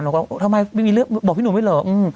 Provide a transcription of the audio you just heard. เราก็ว่าทำไมไม่มีเรื่องบอกพี่หนุ่มไม่เหรอ